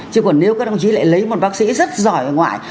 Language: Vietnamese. chứ còn nếu các đồng chí lại lấy một bác sĩ rất giỏi ở ngoại